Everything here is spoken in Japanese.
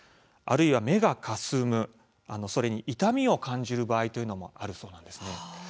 あるいは目がかすむそれに痛みを感じる場合というのもあるそうなんです。